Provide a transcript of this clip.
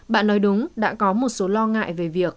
bạn nói đúng đã có một số lo ngại về việc